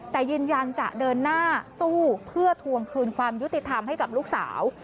แต่ยืนยันจะเดินหน้าสู้เพื่อทวงคืนความยุติธรรมให้กับลูกสาว